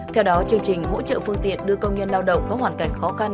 theo đó chương trình hỗ trợ phương tiện đưa công nhân lao động có hoàn cảnh khó khăn